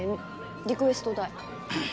リクエスト代。